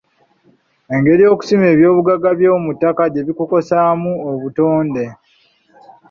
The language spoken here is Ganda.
Engeri okusima ebyobugagga eby'omuttaka gye kukosaamu obutonde.